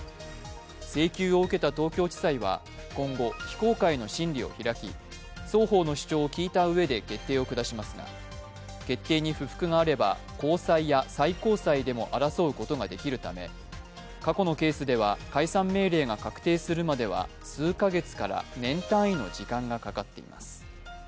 請求を受けた東京地裁は今後、非公開の審理を開き双方の主張を聞いたうえで決定を下しますが決定に不服があれば高裁や最高裁でも争うことができるため過去のケースでは、解散命令が確定するまでは数か月から年単位の時間がかかっています。